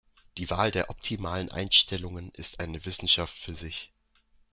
Die Wahl der optimalen Einstellungen ist eine Wissenschaft für sich.